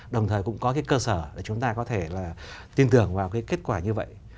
đồng thời cũng có cái cơ sở để chúng ta có thể là tin tưởng vào cái kết quả như vậy